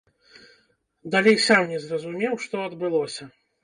Далей сам не зразумеў, што адбылося.